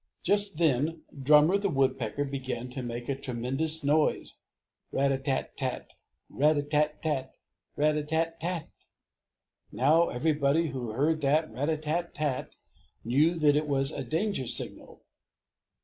Just then Drummer the Woodpecker began to make a tremendous noise rat a tat tat tat, rat a tat tat tat, rat a tat tat tat! Now everybody who heard that rat a tat tat tat knew that it was a danger signal.